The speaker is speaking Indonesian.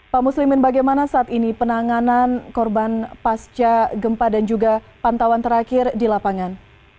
pak muslimin bagaimana saat ini penanganan korban pasca gempa dan juga pantauan terakhir di lapangan